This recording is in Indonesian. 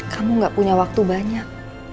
kamu gak punya waktu banyak